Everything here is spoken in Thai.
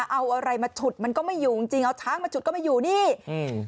เอาอะไรมาฉุดมันก็ไม่อยู่จริงจริงเอาช้างมาฉุดก็ไม่อยู่นี่อืม